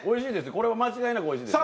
これは間違いなくおいしいです。